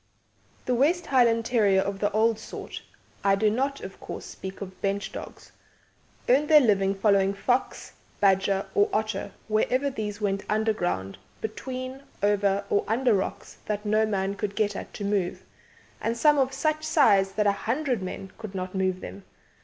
"The West Highland Terrier of the old sort I do not, of course, speak of bench dogs earned their living following fox, badger, or otter wherever these went underground, between, over, or under rocks that no man could get at to move, and some of such size that a hundred men could not move them.